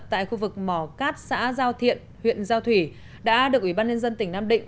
tại khu vực mỏ cát xã giao thiện huyện giao thủy đã được ủy ban nhân dân tỉnh nam định